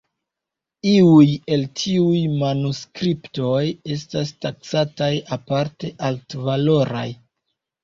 Iuj el tiuj manuskriptoj estas taksataj aparte altvaloraj.